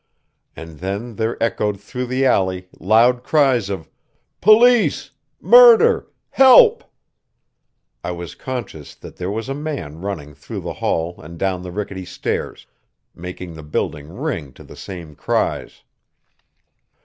And then there echoed through the alley loud cries of "Police! Murder! Help!" I was conscious that there was a man running through the hall and down the rickety stairs, making the building ring to the same cries.